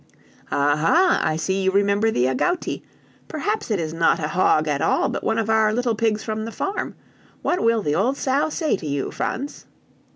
"Aha! I see you remember the agouti! Perhaps it is not a hog at all but one of our little pigs from the farm. What will the old sow say to you, Franz?"